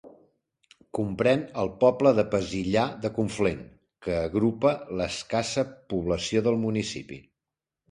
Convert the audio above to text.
Comprèn el poble de Pesillà de Conflent, que agrupa l'escassa població del municipi.